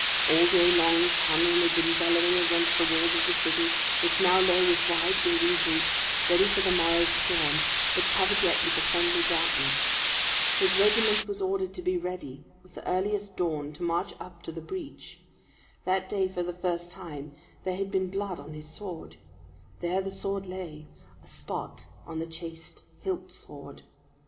All day long the cannon had been bellowing against the walls of the city, which now lay with wide, gaping breach, ready for the morrow's storm, but covered yet with the friendly darkness. His regiment was ordered to be ready with the earliest dawn to march up to the breach. That day, for the first time, there had been blood on his sword there the sword lay, a spot on the chased hilt still.